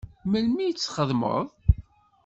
Melmi i t-txedmeḍ?